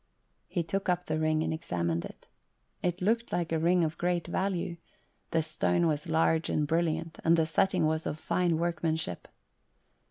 He took up the ring and examined it. It looked like a ring of great value ; the stone was large and brilliant, and the setting was of fine workmanship.